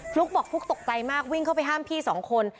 ลุ๊กบอกฟุ๊กตกใจมากวิ่งเข้าไปห้ามพี่สองคน